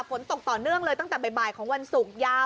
ฝนตกต่อเนื่องเลยตั้งแต่บ่ายของวันศุกร์ยาว